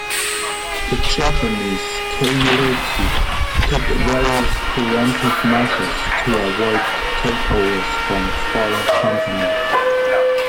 The Japanese "keiretsu" took various preventive measures to avoid takeovers from foreign companies.